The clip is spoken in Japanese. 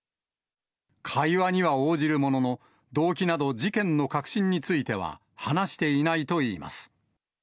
会話には応じるものの、動機など、事件の核心については話していないといいます。